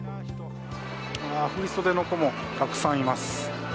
振り袖の子もたくさんいます。